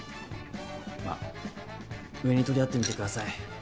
まっ上に取り合ってみてください。